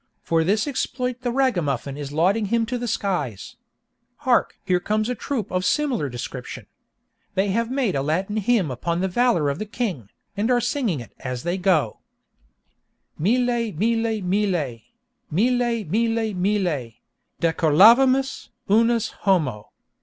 For this exploit the ragamuffin is lauding him to the skies! Hark! here comes a troop of a similar description. They have made a Latin hymn upon the valor of the king, and are singing it as they go: Mille, mille, mille, Mille, mille, mille, Decollavimus, unus homo!